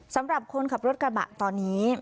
สำหรับคนขับรถกระบะตอนนี้